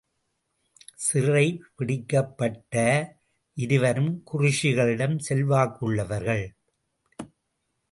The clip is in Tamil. சிறைப பிடிக்கப்பட்ட இருவரும் குறைஷிகளிடம் செல்வாக்குள்ளவர்கள்.